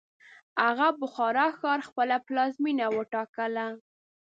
هغه بخارا ښار خپله پلازمینه وټاکله.